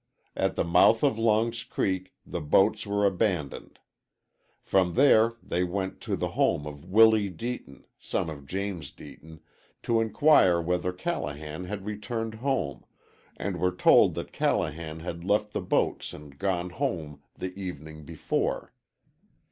At the mouth of Long's Creek the boats were abandoned. From there they went to the home of Willie Deaton, son of James Deaton, to inquire whether Callahan had returned home, and were told that Callahan had left the boats and gone home the evening before.